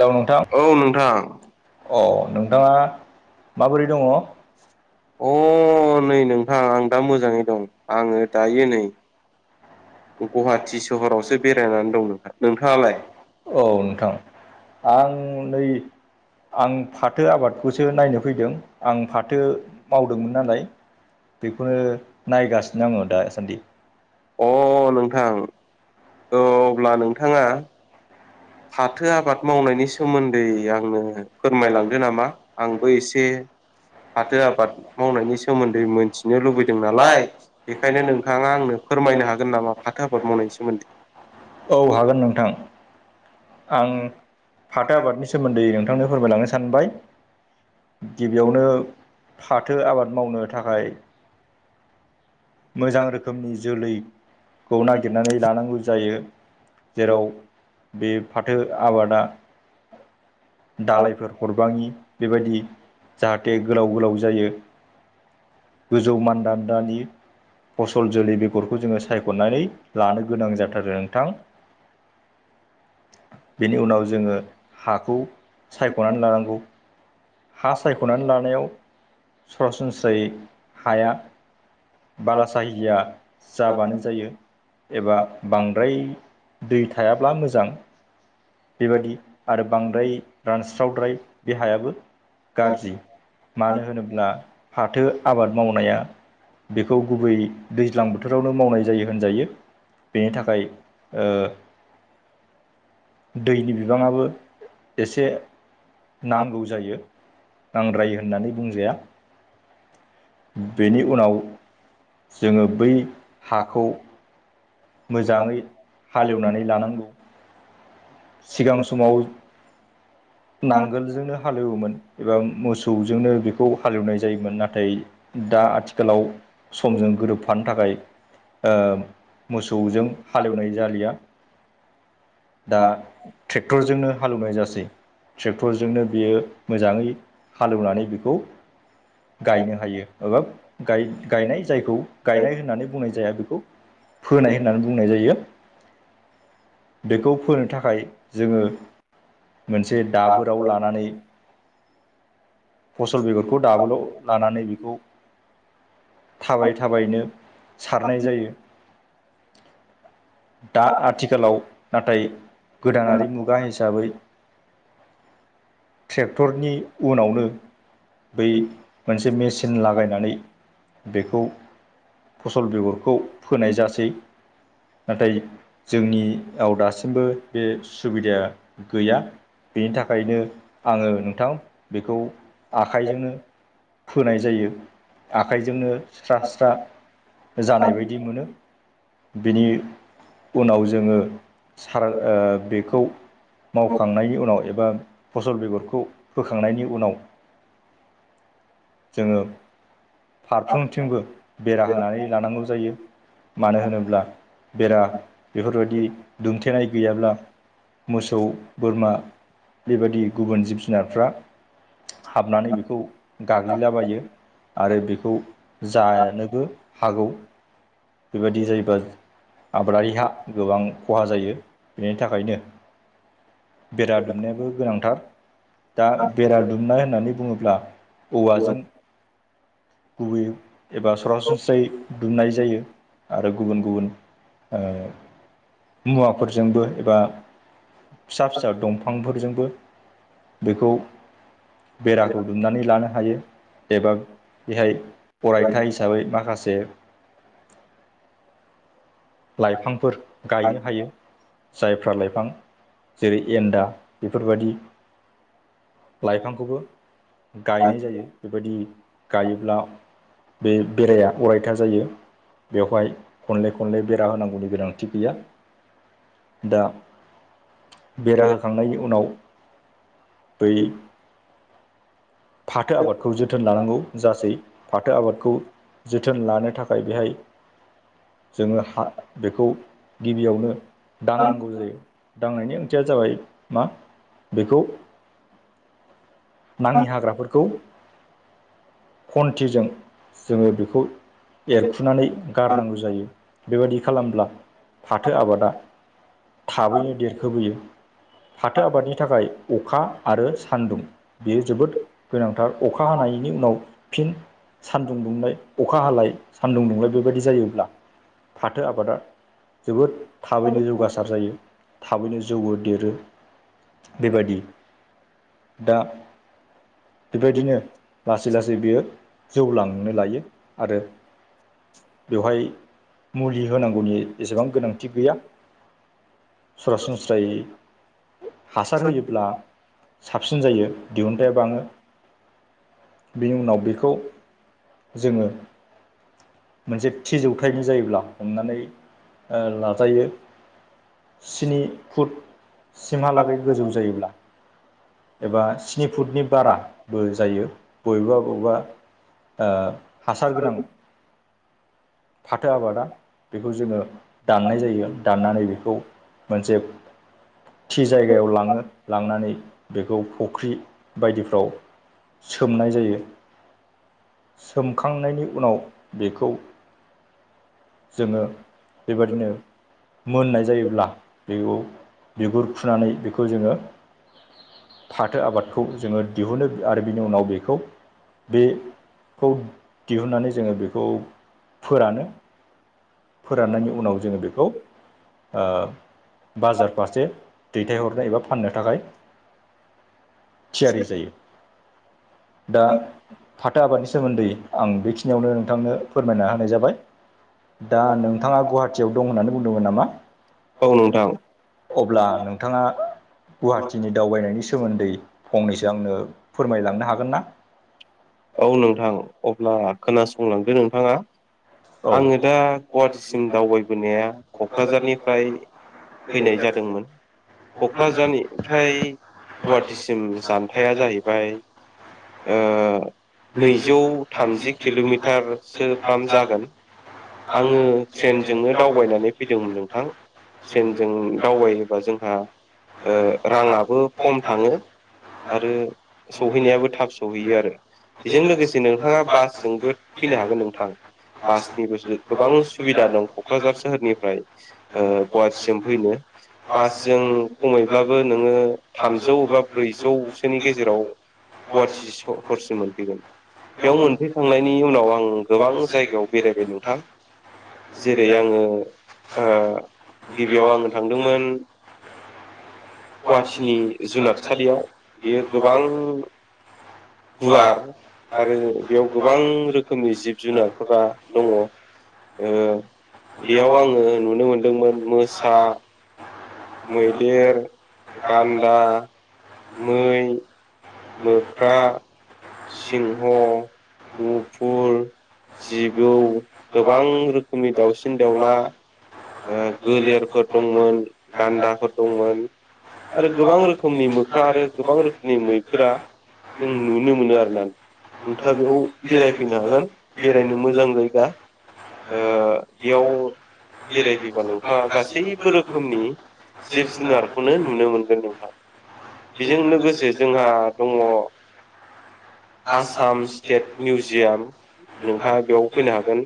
Hello नोंथां औ नोंथां औ नोंथाङा माबोरै दङ औ अ नै नोंथां आं दा मोजाङै दं आङो दायो नै गुवाहाटि सोहरावसो बेरायनानै दं नोंथां नोंथाङालाय औ नोंथां आं नै आं फाथो आबाद खौसो नायनो फैदों आं फाथो मावदोंमोन नालाय बेखौनो हारे नायगासिनो आङो दासान्दि अ नोंथां औ अब्ला नोंथाङा फाथो आबाद मावनायनि सोमोन्दै आङनो फोरमायलांदो नामा आंबो एसे फाथो आबाद मावनायनि सोमोन्दै मोनथिनो लुबैदों नालाय बेखायनो नोंथाङा आंनो फोरमायनो हागोन नामा फाथो आबाद मावनायनि सोमोन्दै औ हागोन नोंथां आं फाथो आबादनि सोमोन्दै नोंथांनो फोरमायलांनो सानबाय गिबियावनो फाथो आबाद मावनो थाखाय मोजां रोखोमनि जोलैखौ नागिरनानै लानांगौ जायो जेराव बे फाथो आबादा दालायफोर हरबाङि बेबायदि जाहाथे गोलाव गोलाव जायो गोजौ मान्दान्दानि फसल जोल बेगरखौ जोङो सायख'नानै लानो गोनां जाथारो नोंथां बेनि उनाव जोङो हाखौ सायख'नानै लानांगौ हा सायख'नानै लानायाव सरासनस्रायै हाया बाला साहिजिया जाबानो जायो एबा बांद्राय दै थायाब्ला मोजां बेबादि आरो बांद्राय रानस्रावद्राय बे हायाबो गाज्रि मानो होनोब्ला फाथो आबाद मावनाया बेखौ गुबै दैज्लां बोथोरावनो मावनाय जायो होनजायो बेनि थाखाय ओ [inaudible] दैनि बिबाङाबो एसे नांगौ जायो नांद्रायि होननानै बुंजाया बेनि उनाव जोङो बै हाखौ मोजाङै हालेवनानै लानांगौ सिगां समाव नांगोलजोंनो हालेवोमोन एबा मोसौजोंनो बेखौ हालेवनाय जायोमोन नाथाय दा आथिखालाव समजों गोरोबफानो थाखाय ओ मोसौजों हालेवनाय जालिया दा ट्रेक्टरजोंनो हालेवनाय जासै ट्रेक्टरजोंनो बियो मोजाङै हालेवनानै बेखौ गायनो हायो एबा गायनाय जायखौ गायनाय होननानै बुंनाय जाया बेखौ फोनाय होननानै बुंनाय जायो बेखौ फोनो थाखाय जोङो मोनसे दाबोराव लानानै फसल बेगरखौ दाबोल' लानानै बेखौ थाबायै थाबायैनो सारनाय जायो दा आथिखालाव नाथाय गोदानारि मुगा हिसाबै ट्रेक्टरनि उनावनो बै मोनसे मेचिन लागायनानै बेखौ फसल बेगरखौ फोनाय जासै नाथाय जोंनियाव दासिमबो बे सुबिदाया गैया बेनि थाखायनो आङो नोंथां बेखौ आखाइजोंनो फोनाय जायो आखाइजोंनो स्रा स्रा जानाय बायदि मोनो बेनि उनाव जोङो सार ओ बेखौ मावखांनायनि उनाव एबा फसल बेगरखौ बोखांनायनि उनाव जोङो फारफ्रोमथिंबो बेरा होनानै लानांगौ जायो मानो होनोब्ला बेरा बेफोरबायदि दुम खेराइ गैयाब्ला मोसौ बोरमा बेबायदि गुबुन जिब जुनारफ्रा हाबनानै बेखौ गाग्लिलाबायो आरो बेखौ जानोबो हागौ बेबायदि जायोब्ला आबादारिहा गोबां खहा जायो बेनि थाखायनो बेरा दुमनायाबो गोनांथार दा बेरा दुमनाय होननानै बुङोब्ला औवाजों गुबै एबा सरासनस्रायै दुमनाय जायो आरो गुबुन गुबुन ओ मुवाफोरजोंबो एबा फिसा फिसा दं फांफोरजोंबो बेखौ बेराखौ दुमनानै लानो हायो एबा बेहाय अरायथा हिसाबै माखासे लाइफांफोर गायनो हायो जायफ्रा लाइफां जेरै एन्दा बेफोरबायदि लाइफांखौबो गायनाय जायो बेबायदि गायोब्ला बे बेराया अरायथा जायो बेवहाय खनले खनले बेरा होनांगौनि गोनांथि गैया दा बेरा होखांनायनि उनाव बै फाथो आबादखौ जोथोन लानांगौ जासै फाथो आबादखौ जोथोन लानो थाखाय बेहाय जोङो हा बेखौ गिबियावनो दां नांगौ जायो दांनायनि ओंथिया जाबाय मा बेखौ नाङि हाग्राफोरखौ खन्थिजों जोङो बेखौ एरखुनानै गारनांगौ जायो बेबायदि खालामब्ला फाथो आबादा थाबैनो देरखोबोयो फाथो आबादनि थाखाय अखा आरो सानदुं बेयो जोबोद गोनांथार अखा हानायनि उनाव फिन सानदुं दुंनाय अखा हालाय सान्दुं दुंलनाय बेबायदि जायोब्ला फाथो आबादा जोबोद थाबैनो जौगासार जायो थाबैनो जौ देरो बेबायादि दा बेबायदिनो लासै लासै बियो जौ लांनो लायो आरो बेवहाय मुलि होनांगौनि जेसेबां गोनांथि गैया सरासनस्रायै हासार होयोब्ला साबसिन जायो दिहुनथाइा बाङो बिनि उनाव बेखौ जोङो मोनसे थि जौथायनि जायोब्ला हमनानै लाजायो स्नि फुट सिमहालागै गोजौ जायोब्ला एबा स्नि फुटनि बारा बो जायो बबेबा बबेबा हासार गोनां फाथो आबादा बेखौ जोङो दाननाय जायो दाननानै बेखौ मोनसे थि जायगायाव लाङो लांनानै बेखौ फुख्रि बायदिफ्राव सोमनाय जायो सोमखांनायनि उनाव बेखौ जोङो बेबायादिनो मोननाय जायोब्ला बेयाव बिगुर फुनानै बेखौ जोङो फाथो आबादखौ जोङो दिहुनो आरो बिनि उनाव बेखौ बेखौ दिहुननानै जोङो बेखौ फोरानो फोराननायनि उनाव जोङो बेखौ ओ बाजार फारसे दैथायहरनो एबा फाननो थाखाय थियारि जायो दा फाथो आबादनि सोमोन्दै आं बेखिनियावनो नोंथांनो फोरमायना होनाय जाबाय दा नोंथाङा गुवाहाटिीयाव दं होननानै बुंदोंमोन नामा औ नोंथां अब्ला नोंथाङा गुवाहाटिीनि दावबायनायनि सोमोन्दै फंनैसो आंनो फोरमायलांनो हागोन ना औ नोंथां अब्ला खोनासंलांदो नोंथाङा आङो दा गुवाहाटिसिम दावबायबोनाया क'क्राझारनिफ्राय औ फैनाय जादोंमोन क'क्राझारनि फ्राय गुवाहाटिसिम जानथाया जाहैबाय नैजौ थामजि किल'मिटारसोफ्राम जागोन आङो ट्रेनजोंनो दावबायनानै फैदोंमोन नोंथां ट्रेनजों दावबायोबा जोंहा राङाबो खम थाङो आरो सहैनायाबो थाब सहैयो आरो बेजों लोगोसे नोंथाङा बासजोंबो फैनो हागोन नोंथां बासनिबो गोबां सुबिदा दं क'क्राझार सोहोरनि ओमफ्राय गुवाहाटिसिम फैनो बासजों खमैब्लाबो नोङो थामजौ एबा ब्रैजौसोनि गेजेराव गुवाहाटि हरसिम मोनफैगोन बेयाव मोनफैखांनायनि उनाव आं गोबां जायगायाव बेरायबाय नोंथां जेरै आङो गिबियाव आङो थांदोंमोन गुवाहाटिनि जुनारसालियाव बेयो गोबां गुवार आरो बेयाव गोबां रोखोमनि जिब जुनारफोरा दङ बेयाव आङो नुनो मोनदोंमोन मोसा मैदेर गान्दा मै मोख्रा [inaudible] सिंह मुफुर जिबौ गोबां रोखोमनि दाउसिन दाउला गलेरफोर दंमोन गान्दाफोर दंमोन आरो गोबां रोखोमनि मोख्रा आरो गोबां रोखोमनि मै फोर जों नुनो मोनो आरो ना नोंथाङा बेयाव बेरायफैनो हागोन बेरायनो मोजां जायगा बेयाव बेरायफैबा नोंथाङा गासैबो रोखोमनि जिब जुनारखौनो नुनो मोनगोन नोंथां बेजों लोगोसे जोंहा दङ आसाम स्टेट मिउजियाम नोंथाङा बेयाव फैनो हागोन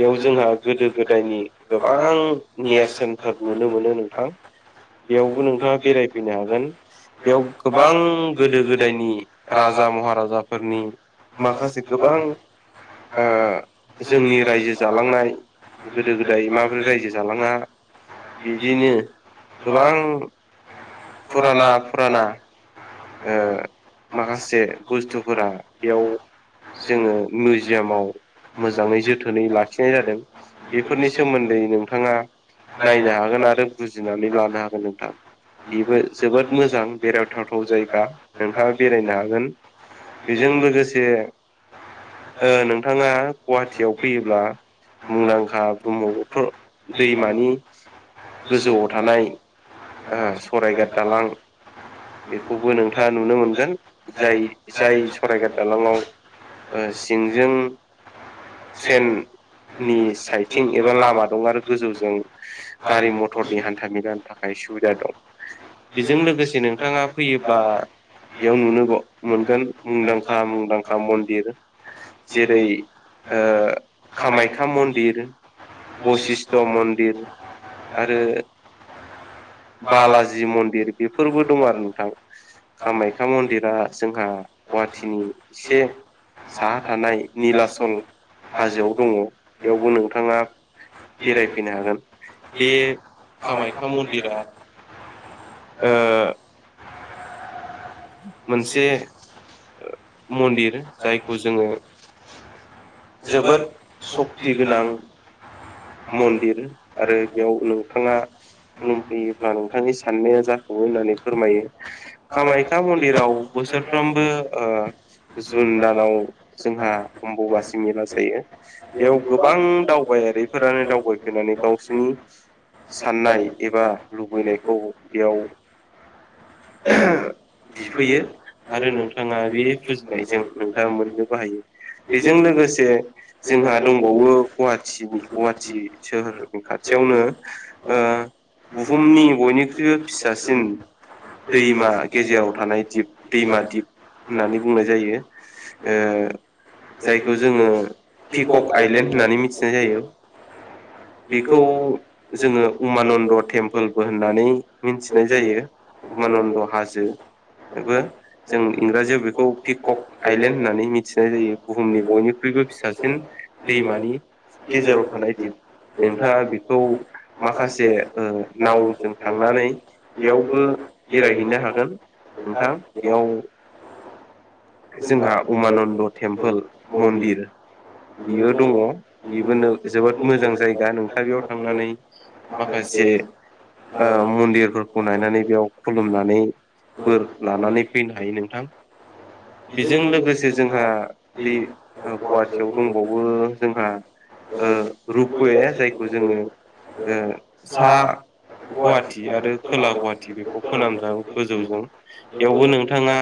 बेयाव जोंहा गोदो गोदायनि गोबां नेरसोनफोर नुनो मोनो नोंथां बेयावबो नोंथाङा बेरायफैनो हागोन बेयाव गोबां गोद गोदो गोदायनि राजा महाराजाफोरनि माखासे गोबां जोंनि रायजो जालांनाय गोदो गोदाय माबोरै रायजो जालाङा बिदिनो गोबां फुराना फुराना माखासे बुस्थुफोरा बेयाव जोङो मिउजियामाव मोजाङै जोथोनै लाखिनाय जादों बेफोरनि सोमोन्दै नोंथाङा नायनो हागोन आरो बुजिनानै लानो हागोन नोंथां बेबो जोबोद मोजां बेरायथावथाव जायो नोंथाङा बेरायनो हागोन बेजों लोगोसे नोंथाङा गुवाहाटियाव फैयोब्ला मुंदांखा ब्रह्मपुत्र दैमानि गोजौआव थानाय सरायगाद दालां खौबो नोंथाङा नुनो मोनगोन जाय जाय सरायघाद दालाङाव सिंजों ट्रेन नि साइथिं एबा लामा दं आरो गोजौजों गारि मथरनि हान्था मेलानि थाखाय सुबिदा दं बेजों लोगोसे नोंथाङा फैयो बा बेयाव नुनो मोनगोन मुंदांखा मुंदांखा मन्दिर जेरै कामाख्या मन्दिर बसिस्थ' मन्दिर आरो बालाजि मन्दिर बेफोरबो दं आरो नोंथां कामाख्या मन्दिरा जोंहा गुवाहाटिनि एसे साहा थानाय निलासल हाजोआव दङ बेयावबो नोंथाङा बेरायफैनो हागोन बे कामाख्या मन्दिरा औ मोनसे मनदिर मन्दिर थाखाय जायखौ जोङो जोबोद सक्ति गोनां मन्दिर आरो बेयाव नोंथाङा खुलुमफैयोब्ला नोंथांनि साननाया दाफुङो होननानै फोथायो कामाख्या मन्दिराव बोसोरफ्रोमबो जुन दानाव जोंहा अम्बबासि मेला जायो। बेयाव गोबां दावबायारिफोरानो दावबायफैनानै गावसिनि साननाय एबा लुबैनायखौ बेयाव। ओ बिफैयो आरो नोंथाङा बे फुजिनायजों नोंथाङा मोननो बाहायो। बेजों लोगोसे जोंहा दंबावो गुवाहाटिनि। गुवाहाटि सोहोरनि खाथियावनो बुहुमनि बयनिख्रुइबो फिसासिन दैमा गेजेराव थानाय दिप दैमा दिप होननानै बुंनाय जायो। ओ जायखौ जोङो पिकक आइलेण्ड होननानै मिथिनाय जायो [unintelligible] बेखौ जोङो उमानन्द टेम्पोलबो होननानै मिथिनाय जायो उमानन्द हाजो बेबो जों इंराजियाव बेखौ पिक आइलेण्ड होननानै मिथिनाय जायो बुहुमनि बयनिख्रुइबो फिसासिन। दैमानि गेजेराव। ह दिन नोंथाङा बेखौ माखासे नावजों थांनानै। बेयावबो बेरायहैनो हागोन नोंथां बेयाव। जोंहा उमानन्द टेम्पोल मन्दिर बियो दङ बेबोनो जोबोद मोजां जायगा नोंथाङ बेयाव थांनानै माखासे। मन्दिरफोरखौ नायनानै बेयाव खुलुमनानै। फोर लानानै फैनो हायो नोंथां। बेजों लोगोसे जोंहा दै गुवाहाटियाव दंबावो जोंहा रुपबोयो जायखौ जोङो साहा। गुवाहाटिी आरो खोला गुवाहाटि बेखौ फोनामज गोजौजों बेयावबो नोंथाङा।